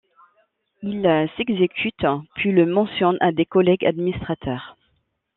Il s'exécute, puis le mentionne à des collègues administrateurs.